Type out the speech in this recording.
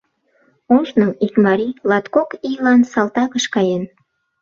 Ожно ик марий латкок ийлан салтакыш каен.